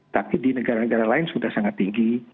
tapi di negara negara lain sudah sangat tinggi